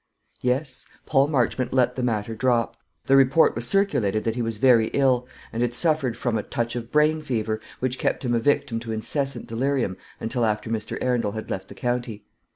Yes; Paul Marchmont let the matter drop. The report was circulated that he was very ill, and had suffered from a touch of brain fever, which kept him a victim to incessant delirium until after Mr. Arundel had left the county.